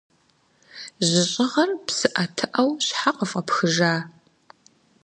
Жьыщӏыгъэр псыӏэтыӏэу щхьэ къыфӏэпхыжа?